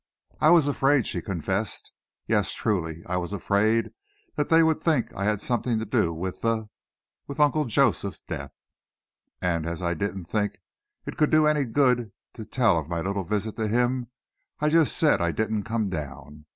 "I was afraid," she confessed. "Yes, truly, I was afraid that they would think I had something to do with the with Uncle Joseph's death. And as I didn't think it could do any good to tell of my little visit to him, I just said I didn't come down.